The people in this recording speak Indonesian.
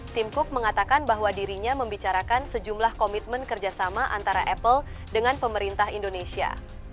tim cook mengatakan bahwa dirinya membicarakan sejumlah komitmen kerjasama antara apple dengan pemerintah indonesia